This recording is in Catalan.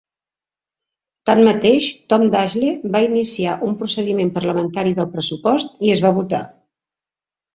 Tanmateix, Tom Daschle va iniciar un procediment parlamentari del pressupost i es va votar.